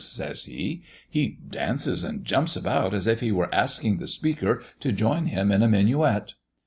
says he. "He dances and jumps about, as if he were asking the Speaker to join him in a minuet!"